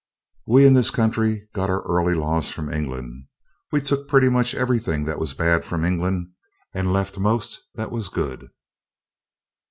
We in this country got our early laws from England. We took pretty much everything that was bad from England and left most that was good.